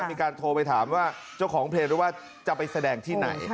มีการโทรไปถามว่าเจ้าของเพลงรู้ว่าจะไปแสดงที่ไหน